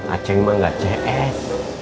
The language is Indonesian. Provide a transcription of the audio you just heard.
acek mah nggak cs